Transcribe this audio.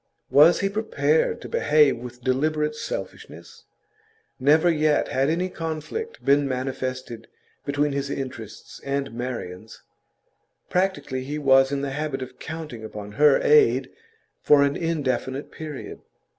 Was he prepared to behave with deliberate selfishness? Never yet had any conflict been manifested between his interests and Marian's; practically he was in the habit of counting upon her aid for an indefinite period.